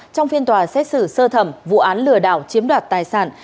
trong phiên tòa xét xử sơ thẩm vụ án lừa đảo chiếm đoạt tài sản